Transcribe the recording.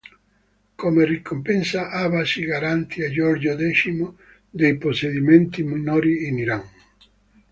Come ricompensa, Abbas I garantì a Giorgio X dei possedimenti minori in Iran.